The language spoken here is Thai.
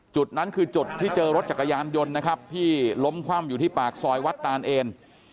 จุดนั้นคือจุดที่เจอรถจักรยานยนต์นะครับที่ล้มคว่ำอยู่ที่ปากซอยวัดตานเอน